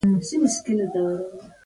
غوا د ماشومانو د روغتیا لپاره ګټوره ده.